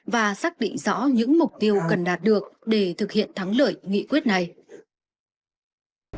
và xác định rõ những mục tiêu cần đạt được để thực hiện thắng lợi nghị quyết này